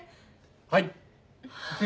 はい！